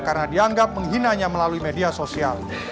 karena dianggap menghinanya melalui media sosial